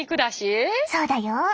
そうだよ。